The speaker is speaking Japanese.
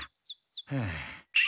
はあ。